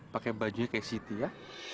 pakai bajunya kayak city ya